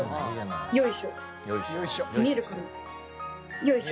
よいしょ。